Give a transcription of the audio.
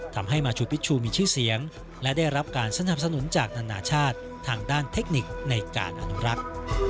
ทำให้มาชูพิชชูมีชื่อเสียงและได้รับการสนับสนุนจากนานาชาติทางด้านเทคนิคในการอนุรักษ์